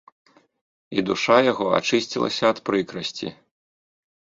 І душа яго ачысцілася ад прыкрасці.